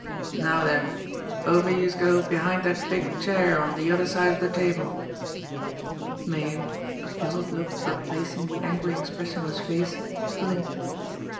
Now den, over youse go behind dat big chair on de other side of de table!" Meighan, a puzzled look replacing the angry expression on his face, blinked.